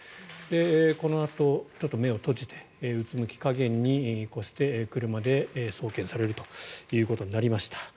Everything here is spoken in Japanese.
このあと、目を閉じてうつむき加減にして、車で送検されるということになりました。